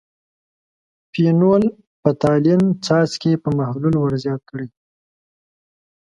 فینول – فتالین څاڅکي په محلول ور زیات کړئ.